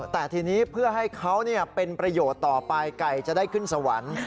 แต่ทีนี้เพื่อให้เขาเป็นประโยชน์ต่อไปไก่จะได้ขึ้นสวรรค์